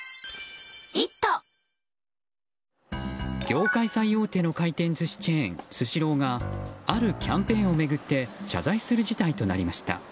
業界最大手の回転ずしチェーンスシローがあるキャンペーンを巡って謝罪する事態となりました。